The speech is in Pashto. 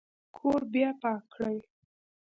کور بیا پاک کړئ